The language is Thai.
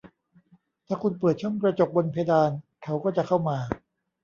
ถ้าคุณเปิดช่องกระจกบนเพดาน เขาก็จะเข้ามา